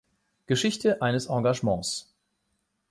Geschichte eines Engagements.